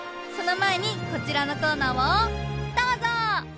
そのまえにこちらのコーナーをどうぞ！